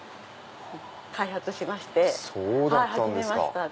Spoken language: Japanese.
開発しまして始めました。